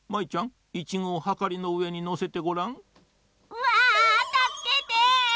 うわあたすけて！